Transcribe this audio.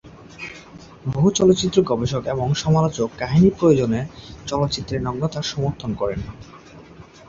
বহু চলচ্চিত্র গবেষক এবং সমালোচক কাহিনীর প্রয়োজনে চলচ্চিত্রে নগ্নতা সমর্থন করেন।